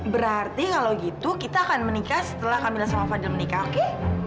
berarti kalau gitu kita akan menikah setelah kamilah sama fadil menikah oke